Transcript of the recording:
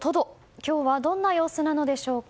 今日はどんな様子なのでしょうか。